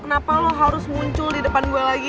kenapa lo harus muncul di depan gue lagi